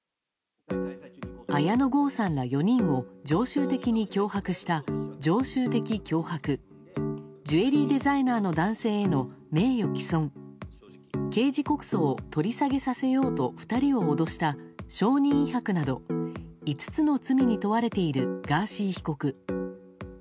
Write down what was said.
綾野剛さんら４人を常習的に脅迫した常習的脅迫ジュエリーデザイナーの男性への名誉毀損刑事告訴を取り下げさせようと２人を脅した証人威迫など５つの罪に問われているガーシー被告。